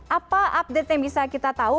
apa update yang bisa kita tahu